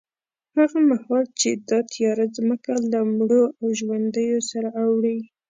هغه مهال چې دا تیاره ځمکه له مړو او ژوندیو سره اوړي،